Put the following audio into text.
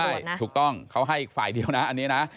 ใช่นะถูกต้องเขาให้อีกฝ่ายเดียวนะอันนี้นะ